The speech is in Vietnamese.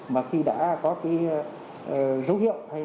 mà khi đã có quyền lợi cho thí sinh